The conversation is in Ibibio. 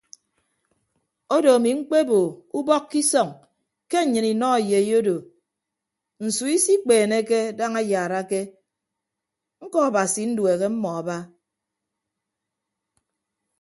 Odo ami mkpebo ubọk ke isọñ ke nnyịn inọ eyei odo nsu isikpeeneke daña ayaarake ñkọ abasi nduehe mmọọ aba.